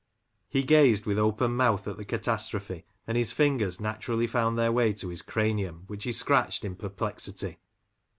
He gazed with open mouth at the catastrophe, and his fingers naturally found their way to his cranium, which he scratched in perplexity.